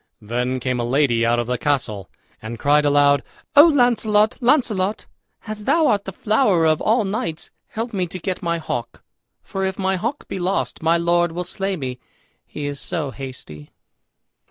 Then came a lady out of the castle and cried aloud, "O Launcelot, Launcelot, as thou art the flower of all knights, help me to get my hawk; for if my hawk be lost, my lord will slay me, he is so hasty."